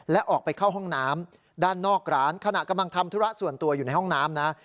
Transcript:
และออกไปเข้าห้องน้ำด้านนอกร้านขณะกำลังทำธุระส่วนตัวอยู่ในห้องน้ำนะ